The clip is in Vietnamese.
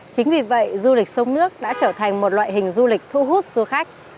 chính vì vậy du lịch sông nước đã trở thành một loại hình du lịch thu hút du khách